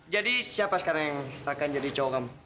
jadi siapa sekarang yang akan jadi cowok kamu